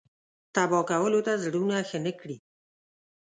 تبا کولو ته زړونه ښه نه کړي.